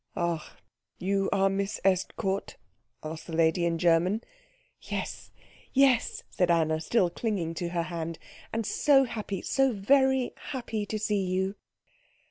"Ach you are Miss Estcourt?" asked the lady in German. "Yes, yes," said Anna, still clinging to her hand, "and so happy, so very happy to see you."